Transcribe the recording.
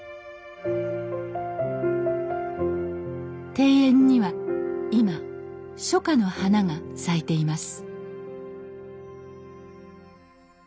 庭園には今初夏の花が咲いています